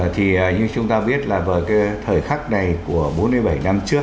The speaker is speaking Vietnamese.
thì như chúng ta biết là với cái thời khắc này của bốn mươi bảy năm trước